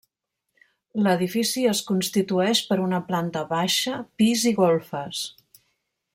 L'edifici es constitueix per una planta baixa, pis i golfes.